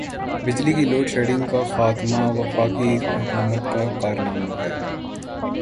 بجلی کی load shedding کا خاتمہ وفاقی حکومت کا کارنامہ ہے۔